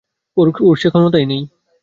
ওর সে ক্ষমতাই নাই।